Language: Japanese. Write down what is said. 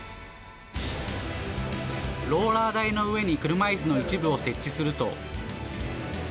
ローラー台の上に車いすの一部を設置すると。